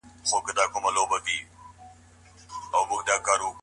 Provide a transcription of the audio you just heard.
که تعلیمي بحث موجود وي، فکر محدود نه پاته کيږي.